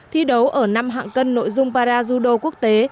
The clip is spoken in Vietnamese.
thi đấu ở năm hạng cân nội dung parra judo quốc tế